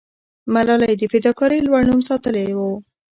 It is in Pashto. ملالۍ د فداکارۍ لوړ نوم ساتلې وو.